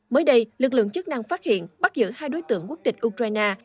mới đây lực lượng chức năng phát hiện bắt giữ hai đối tượng quốc tịch ukraine